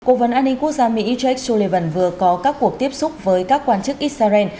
cố vấn an ninh quốc gia mỹ jake sullivan vừa có các cuộc tiếp xúc với các quan chức israel